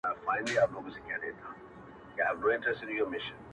نه بې تا محفل ټولېږي، نه بې ما سترګي در اوړي!!